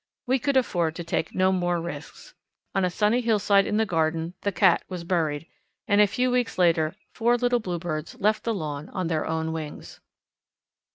We could afford to take no more risks. On a sunny hillside in the garden the cat was buried, and a few weeks later four little Bluebirds left the lawn on their own wings.